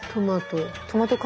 トマト。